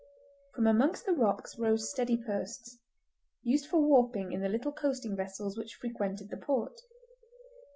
From amongst the rocks rose sturdy posts, used for warping in the little coasting vessels which frequented the port.